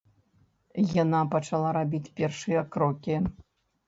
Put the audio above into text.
Яна пачала рабіць першыя крокі.